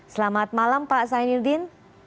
selamat malam pak sainuddin